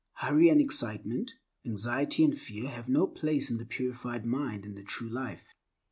Hurry and excitement, anxiety and fear have no place in the purified mind and the true life.